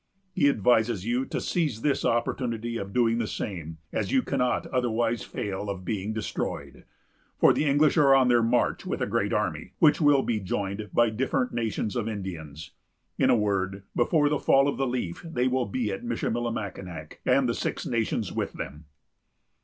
He advises you to seize this opportunity of doing the same, as you cannot otherwise fail of being destroyed; for the English are on their march with a great army, which will be joined by different nations of Indians. In a word, before the fall of the leaf they will be at Michillimackinac, and the Six Nations with them."